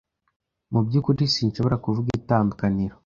Mu byukuri sinshobora kuvuga itandukaniro.